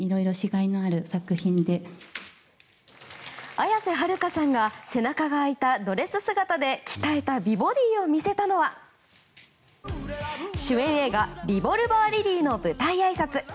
綾瀬はるかさんが背中が開いたドレス姿で鍛えた美ボディーを見せたのは主演映画「リボルバー・リリー」の舞台あいさつ。